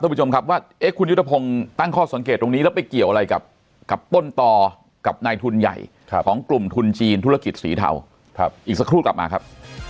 ผู้ชมครับว่าคุณยุทธพงศ์ตั้งข้อสังเกตตรงนี้แล้วไปเกี่ยวอะไรกับต้นต่อกับนายทุนใหญ่ของกลุ่มทุนจีนธุรกิจสีเทาอีกสักครู่กลับมาครับ